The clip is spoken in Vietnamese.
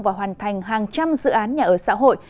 và hoàn thành hàng trăm dự án nhà ở xã hội